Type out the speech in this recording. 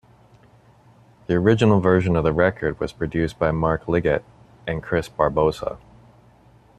The original version of the record was produced by Mark Liggett and Chris Barbosa.